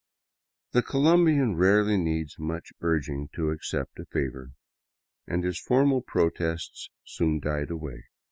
The Colombian rarely needs much urging to accept a favor, and his formal protests soon died away.